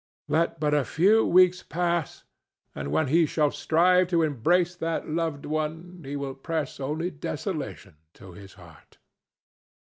Let but a few weeks pass, and when he shall strive to embrace that loved one, he will press only desolation to his heart.